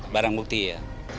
barang bukti ya